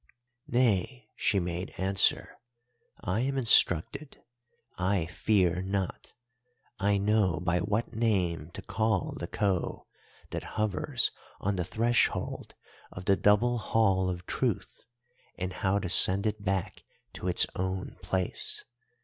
"'Nay,' she made answer, 'I am instructed. I fear not. I know by what name to call the Khou that hovers on the threshold of the Double Hall of Truth, and how to send it back to its own place.